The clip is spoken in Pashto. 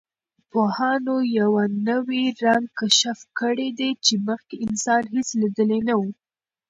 پوهانو یوه نوی رنګ کشف کړی دی چې مخکې انسان هېڅ لیدلی نه و.